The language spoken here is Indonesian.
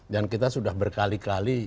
dan kita sudah berkali kali